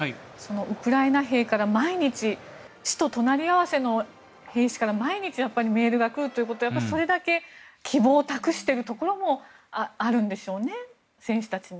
ウクライナ兵から毎日死と隣り合わせの兵士から毎日メールが来るということはそれだけ希望を託しているところもあるんでしょうね